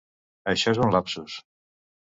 Això és un lapsus.